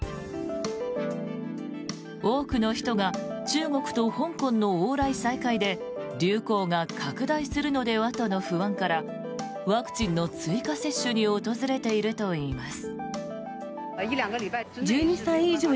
多くの人が中国と香港の往来再開で流行が拡大するのではとの不安からワクチンの追加接種に訪れているといいます。